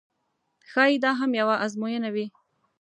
ښایي دا هم یوه آزموینه وي.